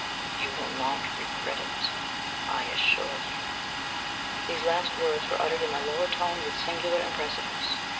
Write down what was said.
YOU WILL NOT REGRET IT, I ASSURE YOU." These last words were uttered in a lower tone and with singular impressiveness.